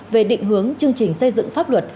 về định hướng chương trình xây dựng pháp luật